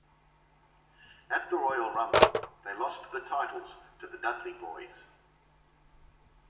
At the Royal Rumble, they lost the titles to the Dudley Boyz.